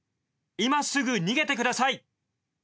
今すぐ逃げてください！